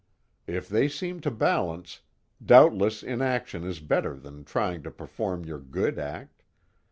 If they seem to balance, doubtless inaction is better than trying to perform your good act.